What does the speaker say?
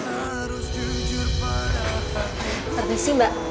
terima kasih mbak